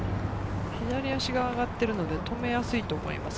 左足は変わってるので、止めやすいと思います。